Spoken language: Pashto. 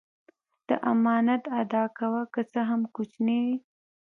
د امانت ادا کوه که څه هم کوچنی وي.